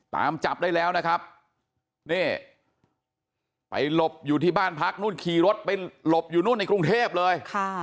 ตามจับได้แล้วนะครับนี่ไปหลบอยู่ที่บ้านพักนู่นขี่รถไปหลบอยู่นู่นในกรุงเทพเลย